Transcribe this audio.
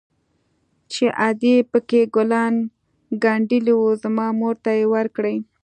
چې ادې پكښې ګلان ګنډلي وو زما مور ته يې وركړي.